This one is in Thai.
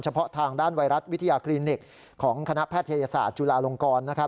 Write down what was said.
เพาะทางด้านไวรัสวิทยาคลินิกของคณะแพทยศาสตร์จุฬาลงกร